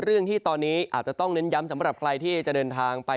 เรื่องที่ตอนนี้อาจจะต้องเน้นย้ำสำหรับใครที่จะเดินทางไป